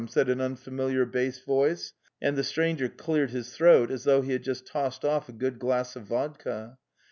said an unfamiliar bass voice, and the stranger cleared his throat as though he had just tossed off a good glass of vodka.